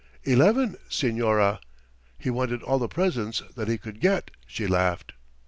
'Eleven, señora!' He wanted all the presents that he could get," she laughed.